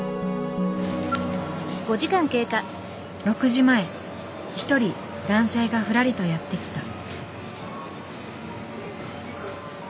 ６時前一人男性がふらりとやって来た。